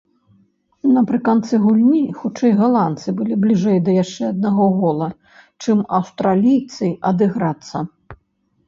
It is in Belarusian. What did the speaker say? Напрыканцы гульні хутчэй галандцы былі бліжэй да яшчэ аднаго гола, чым аўстралійцы адыграцца.